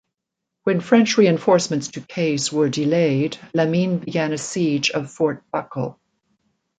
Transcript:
When French reinforcements to Kayes were delayed, Lamine began a siege of Fort Bakel.